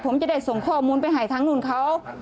ผมจะได้ส่งข้อมูลไปให้ทางนู้นเขา